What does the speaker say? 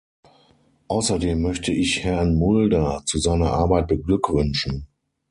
Außerdem möchte ich Herrn Mulder zu seiner Arbeit beglückwünschen.